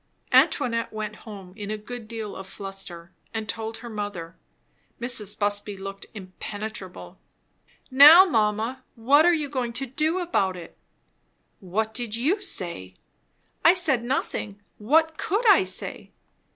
Antoinette went home in a good deal of a fluster, and told her mother. Mrs. Busby looked impenetrable. "Now mamma, what are you going to do about it?" "What did you say?" "I said nothing. What could I say?"